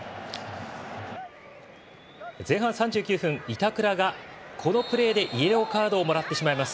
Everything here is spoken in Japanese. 前半３９分板倉がこのプレーでイエローカードをもらってしまいます。